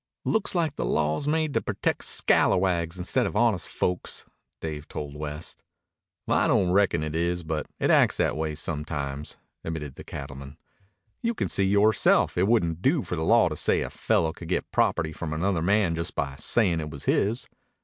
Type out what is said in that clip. "Looks like the law's made to protect scalawags instead of honest folks," Dave told West. "I don't reckon it is, but it acts that way sometimes," admitted the cattleman. "You can see yoreself it wouldn't do for the law to say a fellow could get property from another man by just sayin' it was his.